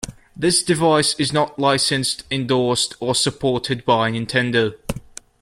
This device is not licensed, endorsed, or supported by Nintendo.